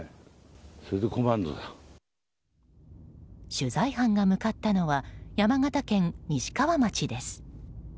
取材班が向かったのは山形県西川町です。